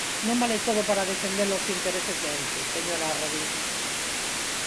Non vale todo para defender os intereses de Ence, señora Rodís.